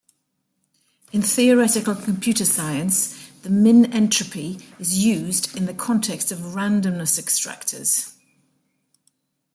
In theoretical computer science, the min-entropy is used in the context of randomness extractors.